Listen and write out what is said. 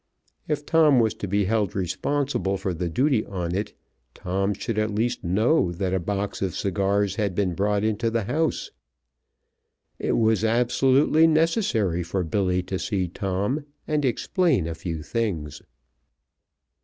If Tom was to be held responsible for the duty on it Tom should at least know that a box of cigars had been brought into the house. It was absolutely necessary for Billy to see Tom, and explain a few things.